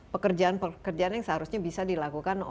pekerjaan pekerjaan yang seharusnya bisa dilakukan